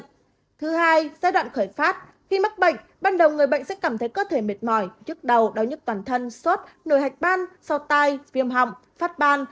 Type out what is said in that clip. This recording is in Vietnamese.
thứ hai giai đoạn khởi phát khi mắc bệnh ban đầu người bệnh sẽ cảm thấy cơ thể mệt mỏi trước đầu đau nhức toàn thân suốt nồi hạch ban sau tay viêm hỏng phát ban